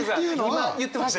今言ってました。